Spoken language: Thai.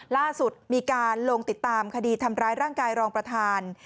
ล่าสุดมีการลงติดตามคดีทำร้ายร่างกายรองประธาน